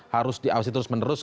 harus diawasi terus menerus